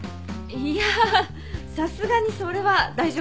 いやさすがにそれは大丈夫。